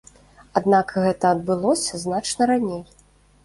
Аднак гэта адбылося значна раней.